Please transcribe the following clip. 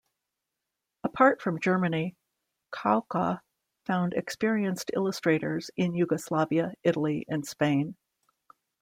Apart from Germany, Kauka found experienced illustrators in Yugoslavia, Italy and Spain.